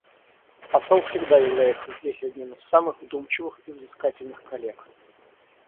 Посол всегда является здесь одним из самых вдумчивых и взыскательных коллег.